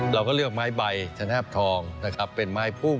เราก็เลือกไม้ใบชนะหาบทองนะคะเป็นไม้ภูมิ